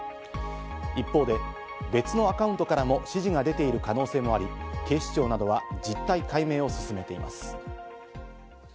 一方で別のアカウントからも指示が出ている可能性もあり、警視庁などは実態解明を進めています。